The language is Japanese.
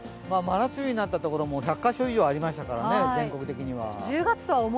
真夏日になったところも１００か所以上ありましたからね、全国的には。